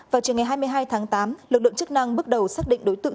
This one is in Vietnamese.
vào chiều ngày hai mươi hai tháng tám lực lượng chức năng bước đầu xác định đối tượng